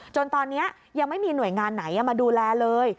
จนตอนนี้ยังไม่มีหน่วยงานไหนมาดูแลเลย